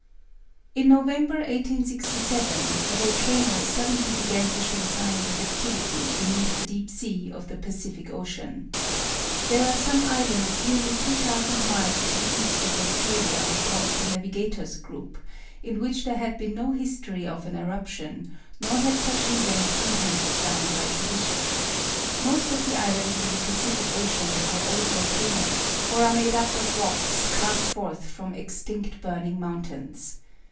In November, 1867, a volcano suddenly began to show signs of activity beneath the deep sea of the Pacific Ocean. There are some islands nearly two thousands miles to the east of Australia called the Navigator's Group, in which there had been no history of an eruption, nor had such an event been handed down by tradition. Most of the islands in the Pacific Ocean are old volcanoes, or are made up of rocks cast forth from extinct burning mountains.